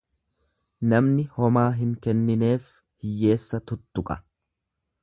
Namni homaa hin kennineef hiyyeessa tuttuqa.